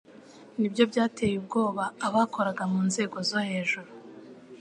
nibyo byateye ubwoba abakoraga mu nzego zo hejuru